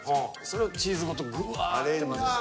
それをチーズごとぐわって混ぜて。